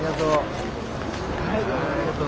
ありがとう。